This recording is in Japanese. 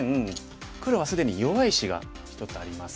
黒は既に弱い石が１つあります。